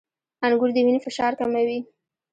• انګور د وینې فشار کموي.